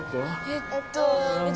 えっと。